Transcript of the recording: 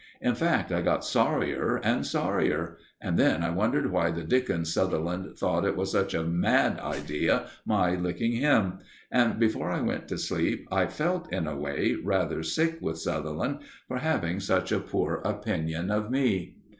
In fact I got sorrier and sorrier, and then I wondered why the dickens Sutherland thought it was such a mad idea my licking him; and before I went to sleep I felt, in a way, rather sick with Sutherland for having such a poor opinion of me.